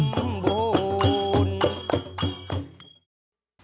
น้อง